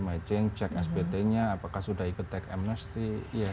mychain cek sbt nya apakah sudah ikut tag amnesty